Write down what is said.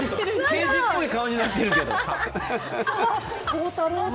刑事っぽい顔になってるけど。